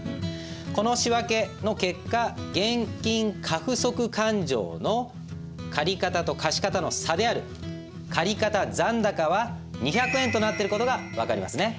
この仕訳の結果現金過不足勘定の借方と貸方の差である借方残高は２００円となってる事が分かりますね。